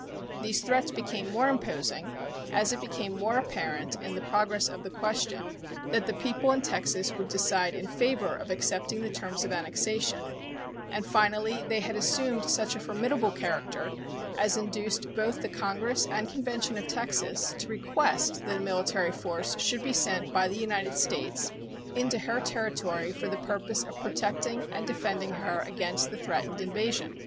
These threats became more imposing as it became more apparent in the progress of the question that the people of Texas would decide in favor of accepting the terms of annexation, and finally they had assumed such a formidable character as induced both the Congress and convention of Texas to request that a military force should be sent by the United States into her territory for the purpose of protecting and defending her against the threatened invasion.